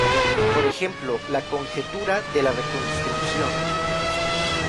Por ejemplo, la conjetura de la reconstrucción.